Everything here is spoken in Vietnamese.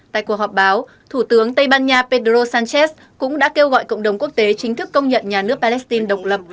tại cuộc họp báo thủ tướng tây ban nha pedro sánchez cũng đã kêu gọi cộng đồng quốc tế chính thức công nhận nhà nước palestine độc lập